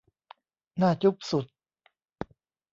น่าจุ๊บสุด